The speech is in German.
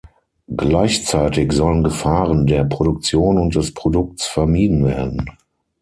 Gleichzeitig sollen Gefahren der Produktion und des Produkts vermieden werden.